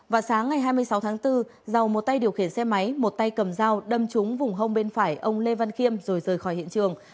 vào sáng ngày hai mươi sáu tháng bốn giàu một tay điều khiển xe máy một tay cầm dao đâm trúng vùng hông bên phải ông lê văn khiêm rồi rời khỏi hiện trường